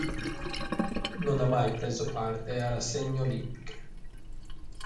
Non ha mai preso parte a rassegne olimpiche.